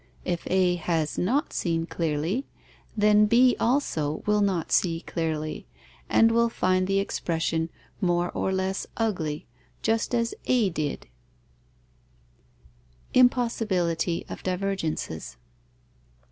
If A has not seen clearly, then B also will not see clearly, and will find the expression more or less ugly, just as A did. _Impossibility of divergences.